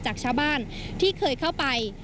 จากชาวบ้านที่เคยเข้าไป